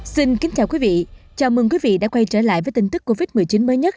xin kính chào quý vị chào mừng quý vị đã quay trở lại với tin tức covid một mươi chín mới nhất